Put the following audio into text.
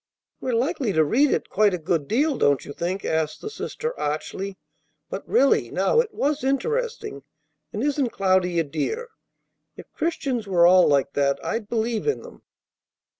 "We're likely to read it quite a good deal, don't you think?" asked the sister archly. "But really, now, it was interesting, and isn't Cloudy a dear? If Christians were all like that, I'd believe in them."